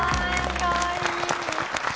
かわいい。